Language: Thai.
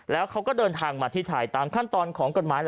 แล้วเขาก็เดินทางมาที่ไทยตามขั้นตอนของกฎหมาย